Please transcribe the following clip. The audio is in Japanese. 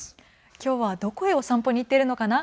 きょうはどこへお散歩に行っているのかな。